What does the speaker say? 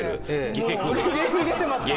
芸風に出てますか？